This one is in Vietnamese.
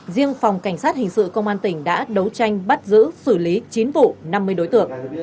riêng phòng cảnh sát hình sự công an tỉnh đã đấu tranh bắt giữ xử lý chín vụ năm mươi đối tượng